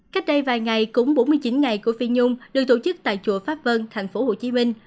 cách đây vài ngày cúng bốn mươi chín ngày của phi nhung được tổ chức tại chùa pháp vân thành phố hồ chí minh